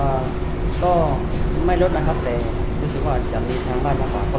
อ่าก็ไม่ลดนะครับแต่รู้สึกว่าจะมีทางบ้านทางฝั่ง